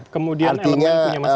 kemudian elemen punya masing masing